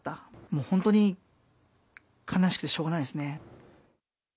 もう本当に、悲しくてしょうがないですね。